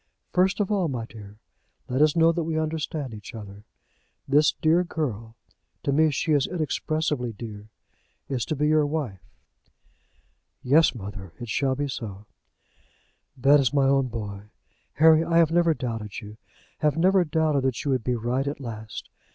"First of all, my dear, let us know that we understand each other. This dear girl, to me she is inexpressibly dear, is to be your wife?" "Yes, mother; it shall be so." [Illustration: The sheep returns to the fold.] "That is my own boy! Harry, I have never doubted you; have never doubted that you would be right at last.